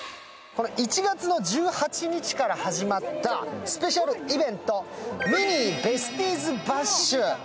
１月１８日から始まったスペシャルイベント、「ミニー・ベスティーズ・バッシュ！」